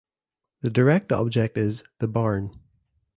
The direct object is "the barn".